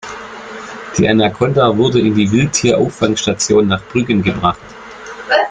Die Anakonda wurde in die Wildtier-Auffangstation nach Brüggen gebracht.